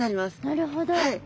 なるほど。